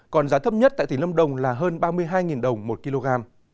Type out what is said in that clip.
còn giá thấp nhất tại tỉnh lâm đồng là hơn ba mươi hai đồng một kg